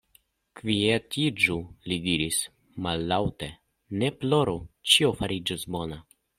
Kvietiĝu! li diris mallaŭte, ne ploru, ĉio fariĝos bona.